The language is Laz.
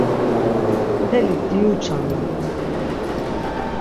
“Mteli diuçanu!